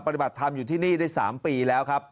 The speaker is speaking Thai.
ปฏิบัติธรรมอยู่ที่นี่ได้๓ปีแล้วครับ